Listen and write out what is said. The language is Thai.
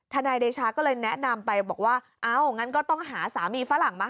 นายเดชาก็เลยแนะนำไปบอกว่าเอางั้นก็ต้องหาสามีฝรั่งมา